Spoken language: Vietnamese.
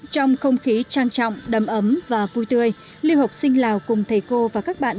trong không khí trang trọng đầm ấm và vui tươi lưu học sinh lào cùng thầy cô và các bạn